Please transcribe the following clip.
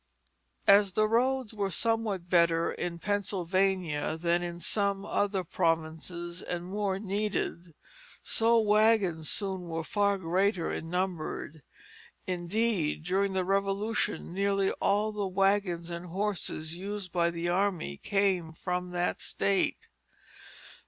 As the roads were somewhat better in Pennsylvania than in some other provinces, and more needed, so wagons soon were far greater in number; indeed, during the Revolution nearly all the wagons and horses used by the army came from that state.